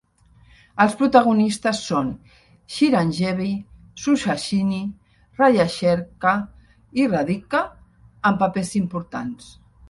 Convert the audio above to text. Els protagonistes són Chiranjeevi, Suhasini, Rajasekhar i Radhika amb papers importants.